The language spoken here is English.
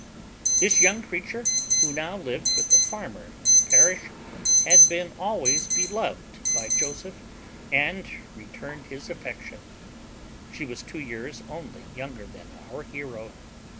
This young creature (who now lived with a farmer in the parish) had been always beloved by Joseph, and returned his affection. She was two years only younger than our hero.